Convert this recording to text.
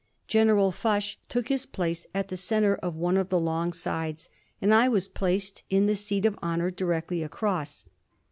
General Foch took his place at the centre of one of the long sides, and I was placed in the seat of honour directly across.